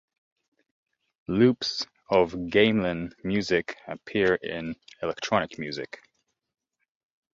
Loops of gamelan music appear in electronic music.